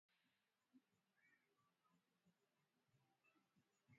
zote zina gavana na wabunge wanaochaguliwa na wakazi moja kwa moja